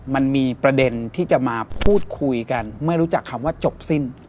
มันมีประเด็นที่จะมาพูดคุยกันเมื่อรู้จักคำว่าจบสิ้น